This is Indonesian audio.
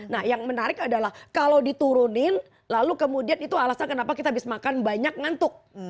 nah yang menarik adalah kalau diturunin lalu kemudian itu alasan kenapa kita habis makan banyak ngantuk